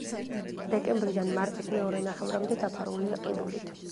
დეკემბრიდან მარტის მეორე ნახევრამდე დაფარულია ყინულით.